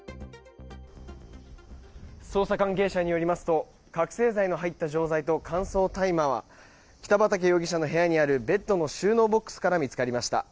捜査関係者によりますと覚醒剤の入った錠剤と乾燥大麻は北畠容疑者の部屋にあるベッドの収納ボックスから見つかりました。